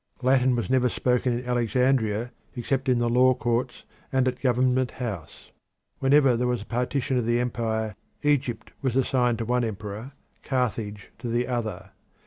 Latin was never spoken in Alexandria except in the law courts and at Government House. Whenever there was a partition of the empire Egypt was assigned to one emperor, Carthage to the other.